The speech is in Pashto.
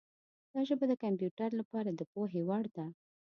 دا ژبه د کمپیوټر لپاره د پوهې وړ ده.